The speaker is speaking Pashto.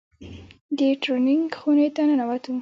د ټرېننگ خونې ته ننوتو.